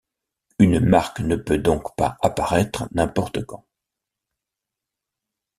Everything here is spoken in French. Une marque ne peut donc pas apparaitre n’importe quand.